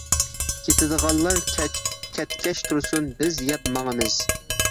كېتىدىغانلار كەتكەچ تۇرسۇن، بىز يەپ ماڭىمىز.